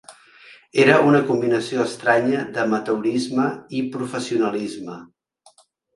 Era una combinació estranya d'amateurisme i professionalisme.